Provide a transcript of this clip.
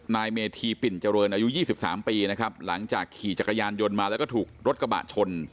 นายเมธีปิ่นเจริญอายุ๒๓ปีนะครับหลังจากขี่จักรยานยนต์มาแล้วก็ถูกรถกระบะชน